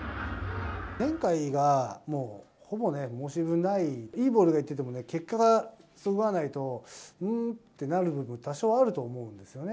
前回がもうほぼね、申し分ない、いいボールがいってても、結果がそぐわないと、んーってなる部分、多少あると思うんですよね。